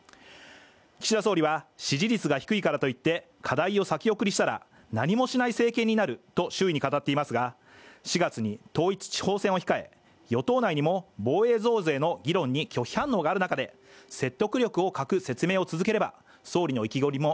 岸田総理は、支持率が低いからといって課題を先送りしたら何もしない政権になると周囲に語っていますが４月に統一地方選を控え、与党内にも防衛増税の議論に中国・武漢のロックダウンから、今日で３年。